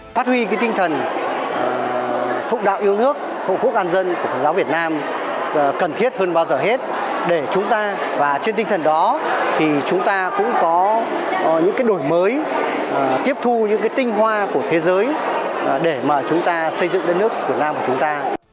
phát huy cái tinh thần phụ đạo yêu nước hộ quốc an dân của phật giáo việt nam cần thiết hơn bao giờ hết để chúng ta và trên tinh thần đó thì chúng ta cũng có những đổi mới tiếp thu những cái tinh hoa của thế giới để mà chúng ta xây dựng đất nước việt nam của chúng ta